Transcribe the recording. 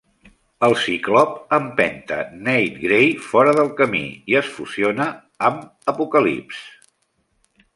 El ciclop empenta Nate Grey fora del camí i es fusiona amb Apocalypse.